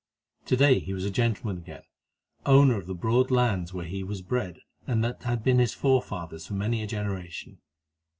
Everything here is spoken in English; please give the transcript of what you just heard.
To day he was a gentleman again, owner of the broad lands where he was bred, and that had been his forefathers' for many a generation.